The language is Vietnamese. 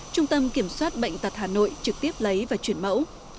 trung tâm kiểm soát bệnh tật hà nội trực tiếp lấy và chuyển mẫu